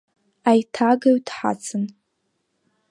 Аиҭагаҩ дҳацын.